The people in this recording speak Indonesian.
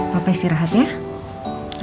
papa istirahat ya